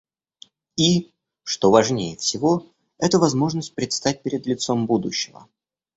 И, что важнее всего, это возможность предстать перед лицом будущего.